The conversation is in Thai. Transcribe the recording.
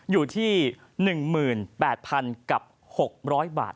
อยู่ที่๑๘๖๐๐บาท